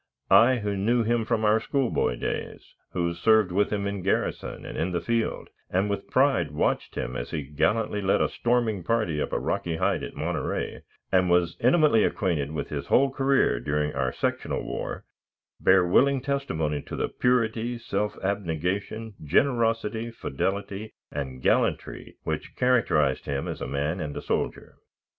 I, who knew him from our schoolboy days, who served with him in garrison and in the field, and with pride watched him as he gallantly led a storming party up a rocky height at Monterey, and was intimately acquainted with his whole career during our sectional war, bear willing testimony to the purity, self abnegation, generosity, fidelity, and gallantry which characterized him as a man and a soldier.